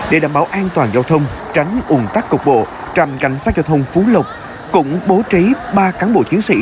để đảm bảo an toàn giao thông tránh ủng tắc cục bộ trạm cảnh sát giao thông phú lộc cũng bố trí ba cán bộ chiến sĩ